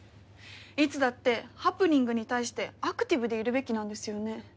いつだってハプニングに対してアクティブでいるべきなんですよね？